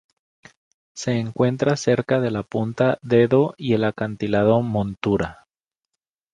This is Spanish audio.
Se encuentra cerca de la punta Dedo y el acantilado Montura.